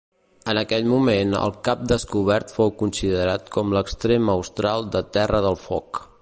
En aquell moment, el cap descobert fou considerat com l'extrem austral de Terra del Foc.